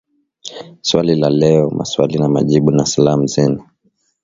Swali la Leo Maswali na Majibu na Salamu Zenu